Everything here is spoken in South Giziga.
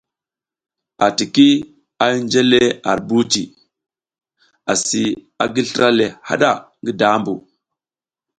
ATIKI a hinje le ar buci, asi a gi slra le haɗa ngi dambu.